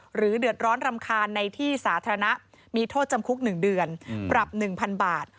หรือเดือดร้อนรำคาญในที่สาธารณะมีโทษจำคุก๑เดือนปรับ๑๐๐๐บาท